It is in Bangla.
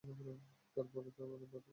আর তার পরেই আমি প্রাপ্তবয়স্ক হয়ে উঠেছি।